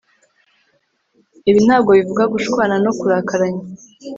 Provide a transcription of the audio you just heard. ibi ntabwo bivuga gushwana no kurakaranya,